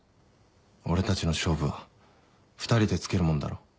俺たちの勝負は２人でつけるもんだろ。